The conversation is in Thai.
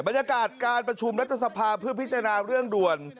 บรรยากาศการประชุมรัฐสภาเพื่อพิจารณาเรื่องด่วน